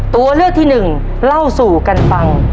ตัวเลือกที่หนึ่งเล่าสู่กันฟัง